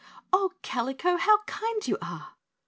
"Oh, Kalico, how kind you are!"